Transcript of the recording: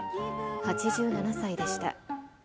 ８７歳でした。